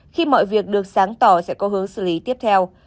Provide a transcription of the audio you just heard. khi mọi việc được sáng tỏ sẽ có hướng xử lý tiếp theo